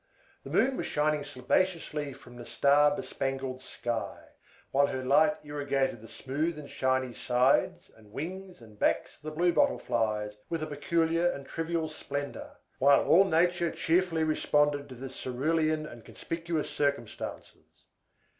The Moon was shining slobaciously from the star bespangled sky, while her light irrigated the smooth and shiny sides and wings and backs of the Blue Bottle Flies with a peculiar and trivial splendor, while all Nature cheerfully responded to the cerulean and conspicuous circumstances.